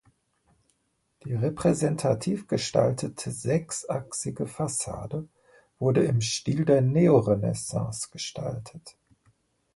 Die repräsentativ gestaltete sechsachsige Fassade wurde im Stil der Neorenaissance gestaltet.